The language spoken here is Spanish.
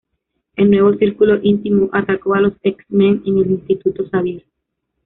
El nuevo Círculo Íntimo atacó a los X-Men en el Instituto Xavier.